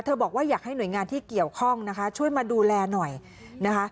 บอกว่าอยากให้หน่วยงานที่เกี่ยวข้องนะคะช่วยมาดูแลหน่อยนะคะ